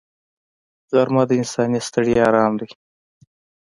غرمه د انساني ستړیا آرام دی